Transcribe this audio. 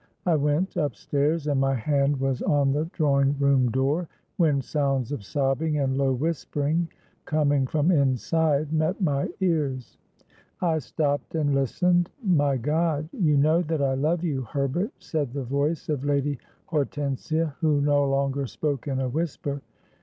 I went up stairs, and my hand was on the drawing room door, when sounds of sobbing and low whispering, coming from inside, met my ears. I stopped and listened. 'My God! you know that I love you, Herbert,' said the voice of Lady Hortensia, who no longer spoke in a whisper.